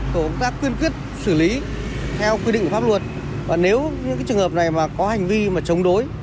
tổ quốc tác quyên quyết xử lý theo quy định pháp luật và nếu những trường hợp này có hành vi mà chống đối